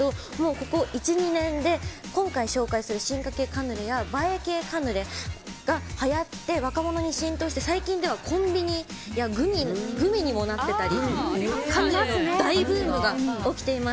ここ１２年で今回、紹介する進化系カヌレや映え系カヌレがはやって若者に浸透して最近ではコンビニやグミにもなってたりカヌレの大ブームが起きています。